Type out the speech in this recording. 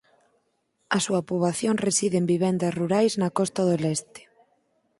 A súa poboación reside en vivendas rurais na costa do leste.